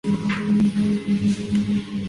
Pertenecía a una familia acomodada de la capital.